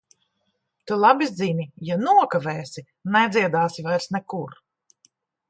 Tu labi zini - ja nokavēsi, nedziedāsi vairs nekur.